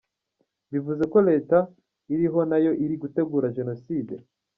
Bivuze ko Leta iriho nayo iri gutegura Jenoside?